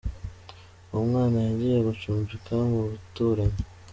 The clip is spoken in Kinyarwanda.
Uwo mwana yagiye gucumbika mu baturanyi